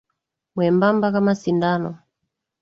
Mwembamba kama sindano.